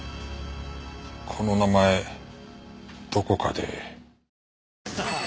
この名前どこかで。